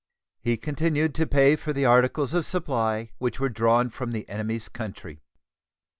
He continued to pay for the articles of supply which were drawn from the enemy's country.